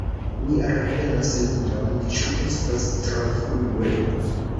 Mi revenos lundon, ĉu estos tro frue?